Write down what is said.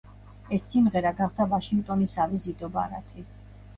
ეს სიმღერა გახდა ვაშინგტონის სავიზიტო ბარათი.